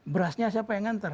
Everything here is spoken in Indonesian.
berasnya siapa yang nganter